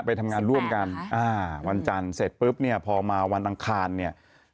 ไปทำงานร่วมกันอ่าวันจันทร์เสร็จปุ๊บเนี่ยพอมาวันอังคารเนี่ย